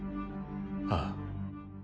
ああ。